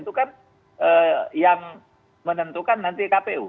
itu kan yang menentukan nanti kpu